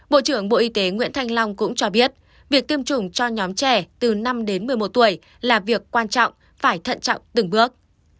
bộ trưởng bộ y tế nguyễn thanh long cũng cho biết việc tiêm chủng cho nhóm trẻ từ năm đến một mươi một tuổi là việc quan trọng phải thận trọng từng bước